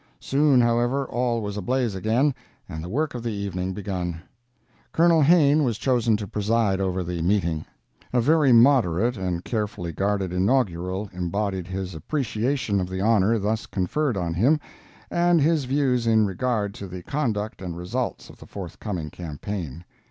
Soon, however, all was ablaze again, and the work of the evening begun. Colonel Hayne was chosen to preside over the meeting. A very moderate and carefully guarded inaugural embodied his appreciation of the honor thus conferred on him, and his views in regard to the conduct and results of the forthcoming campaign.